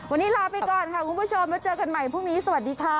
วันนี้ลาไปก่อนค่ะคุณผู้ชมแล้วเจอกันใหม่พรุ่งนี้สวัสดีค่ะ